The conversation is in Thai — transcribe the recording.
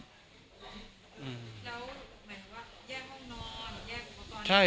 แล้วหมายถึงว่าแยกห้องนอนแยกอุปกรณ์ในการใช้